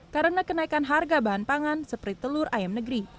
karena kenaikan harga bahan pangan seperti telur ayam negeri